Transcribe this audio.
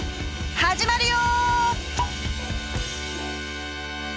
始まるよ！